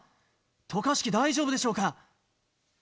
渡嘉敷、大丈夫でしょうか。